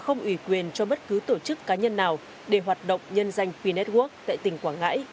không ủy quyền cho bất cứ tổ chức cá nhân nào để hoạt động nhân danh p network tại tỉnh quảng ngãi